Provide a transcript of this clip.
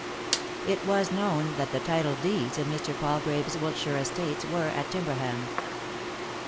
It was known that the title deeds of Mr. Palgrave's Wiltshire estates were at Timberham.